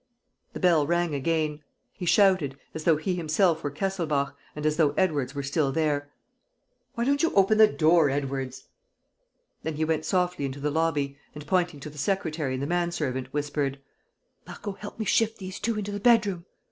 The bell rang again. He shouted, as though he himself were Kesselbach and as though Edwards were still there: "Why don't you open the door, Edwards?" Then he went softly into the lobby and, pointing to the secretary and the manservant, whispered: "Marco, help me shift these two into the bedroom .